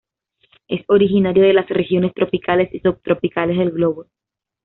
Es originario de las regiones tropicales y subtropicales del globo.